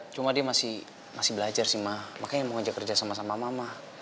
cuma dia masih belajar sih ma makanya mau ngajak kerjasama sama mama